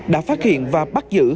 đã phát hiện và bắt giữ